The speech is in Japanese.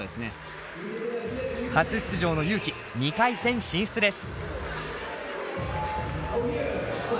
初出場のＹＵ−ＫＩ２回戦進出です。